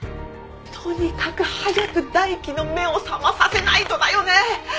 とにかく早く大樹の目を覚まさせないとだよね！